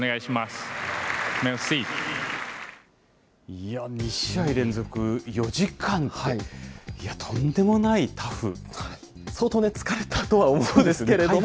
いや、２試合連続、４時間って、相当ね、疲れたとは思うんですけれども。